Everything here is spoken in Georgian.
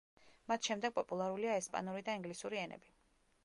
მათ შემდეგ პოპულარულია ესპანური და ინგლისური ენები.